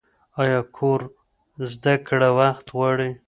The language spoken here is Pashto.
ایا کور زده کړه وخت غواړي؟